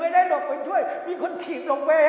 ว่าใครของไหนที่มันถีกกูลงไป